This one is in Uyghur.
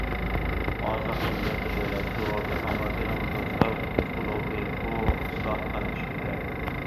ھازىرقى يەتتە دۆلەت گۇرۇھى ئامېرىكىنىڭ دوستلار كۇلۇبى، ئۇ ئىسلاھ قىلىنىشى كېرەك.